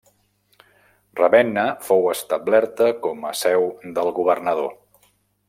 Ravenna fou establerta com a seu del governador.